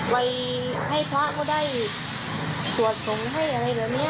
ไปให้พระก็ได้สวดส่งให้อะไรแบบนี้